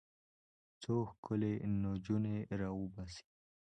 څو ښکلې نجونې راوباسي.